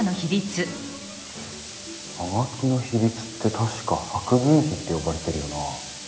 葉書の比率って確か白銀比って呼ばれてるよなあ。